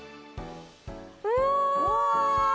うわ！